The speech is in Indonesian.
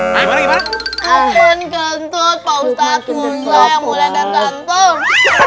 lukman gentut pak ustadzullah yang mulai datang